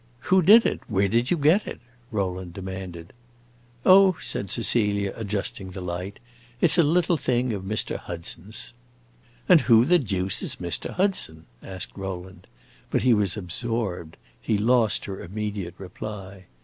"Who did it? where did you get it?" Rowland demanded. "Oh," said Cecilia, adjusting the light, "it 's a little thing of Mr. Hudson's." "And who the deuce is Mr. Hudson?" asked Rowland. But he was absorbed; he lost her immediate reply.